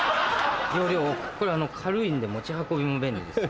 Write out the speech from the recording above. これ軽いんで持ち運びも便利ですよ。